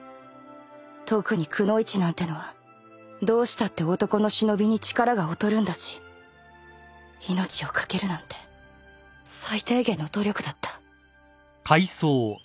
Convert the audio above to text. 特にくノ一なんてのはどうしたって男の忍に力が劣るんだし命をかけるなんて最低限の努力だった